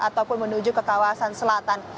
ataupun menuju ke kawasan selatan